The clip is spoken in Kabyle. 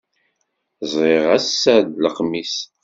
Ẓriɣ ass-a d Lexmis.